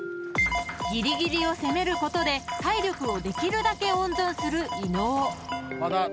［ギリギリを攻めることで体力をできるだけ温存する伊野尾］